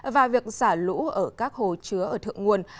và việc xả lũ ở các hồ chứa ở thượng nguồn